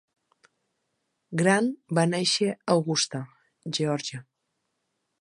Grant va néixer a Augusta (Geòrgia).